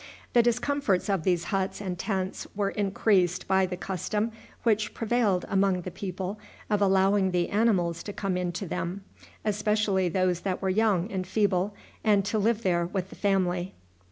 The discomforts of these huts and tents were increased by the custom which prevailed among the people of allowing the animals to come into them, especially those that were young and feeble, and to live there with the family.